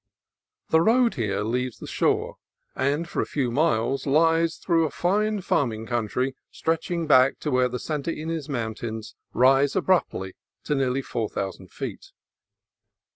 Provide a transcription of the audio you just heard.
The road here leaves the shore, and for a few miles lies through a fine farming country stretching back to where the Santa Ynez Mountains rise abruptly to nearly four thousand feet.